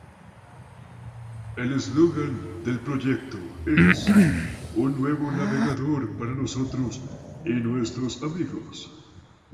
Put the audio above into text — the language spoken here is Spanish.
El eslogan del proyecto es "Un nuevo navegador para nosotros y nuestros amigos".